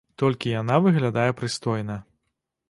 Толькі яна выглядае прыстойна.